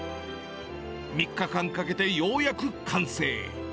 ３日間かけてようやく完成。